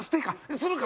するか？